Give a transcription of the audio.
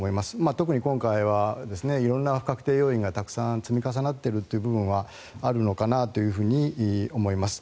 特に今回は色んな不確定要因がたくさん積み重なっている部分はあるのかなと思います。